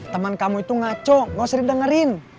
teman kamu itu ngaco gak sering dengerin